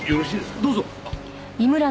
どうぞ。